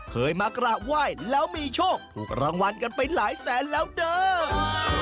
เคยมากราบไหว้แล้วมีโชคถูกรางวัลกันไปหลายแสนแล้วเด้อ